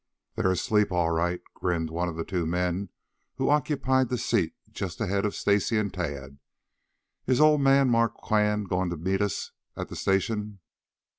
"They're asleep all right," grinned one of the two men who occupied the seat just ahead of Stacy and Tad. "Is old man Marquand going to meet us at the station?"